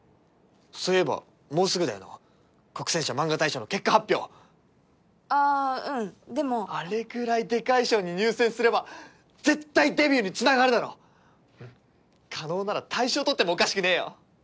そういえばもうすぐだよな黒泉社漫画大賞の結果発表ああーうんでもあれぐらいでかい賞に入選すれば絶対デビューにつながるだろ叶なら大賞取ってもおかしくねえよ